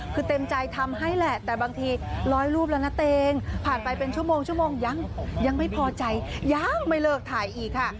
คือเต็มใจทำให้แหละแต่บางทีร้อยรูปแล้วนะเตงผ่านไปเป็นชั่วโมงชั่วโมงยังยังไม่พอใจยังไม่เลิกถ่ายอีกค่ะ